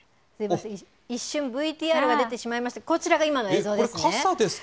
一瞬、ＶＴＲが出てしまいまして、こちらが今の映像ですね。